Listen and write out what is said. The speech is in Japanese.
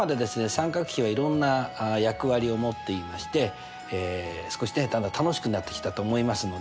三角比はいろんな役割を持っていまして少しねだんだん楽しくなってきたと思いますので。